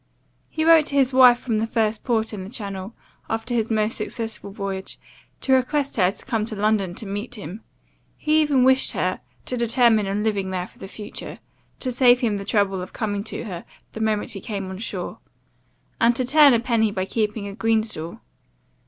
He wrote to his wife from the first port in the Channel, after his most successful voyage, to request her to come to London to meet him; he even wished her to determine on living there for the future, to save him the trouble of coming to her the moment he came on shore; and to turn a penny by keeping a green stall.